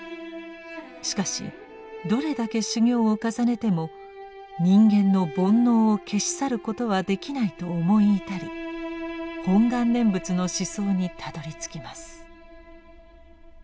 しかしどれだけ修行を重ねても人間の煩悩を消し去ることはできないと思い至り「本願念仏」の思想にたどりつきます。